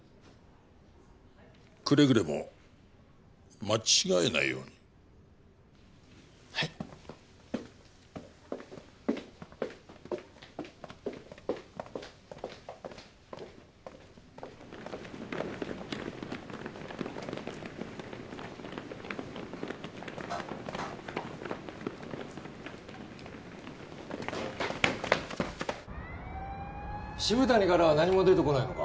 くれぐれも間違えないようにはい渋谷からは何も出てこないのか？